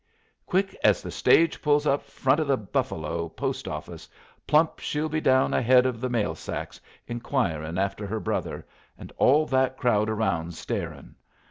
Quick as the stage pulls up front o' the Buffalo post office, plump she'll be down ahead of the mail sacks, inquiring after her brother, and all that crowd around staring.